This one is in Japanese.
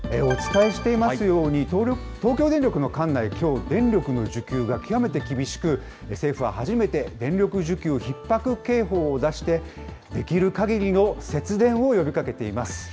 お伝えしていますように、東京電力の管内、きょう電力の需給が極めて厳しく、政府は初めて、電力需給ひっ迫警報を出して、できるかぎりの節電を呼びかけています。